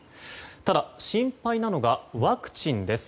ただ、心配なのがワクチンです。